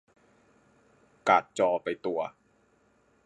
การ์ดจอไปตัว